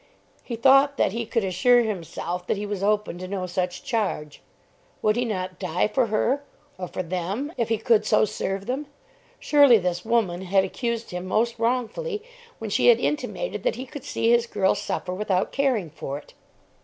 He thought that he could assure himself that he was open to no such charge. Would he not die for her, or for them, if he could so serve them? Surely this woman had accused him most wrongfully when she had intimated that he could see his girl suffer without caring for it.